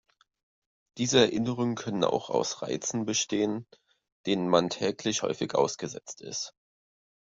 Diese Erinnerungen können auch aus Reizen bestehen, denen man tagtäglich häufig ausgesetzt ist.